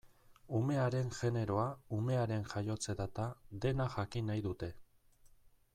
Umearen generoa, umearen jaiotze data, dena jakin nahi dute.